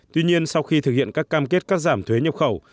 tuy nhiên sau khi thực hiện các cam kết cắt giảm thuế nhập khẩu